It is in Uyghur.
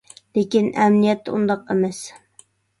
لېكىن، ئەمەلىيەتتە ئۇنداق ئەمەس.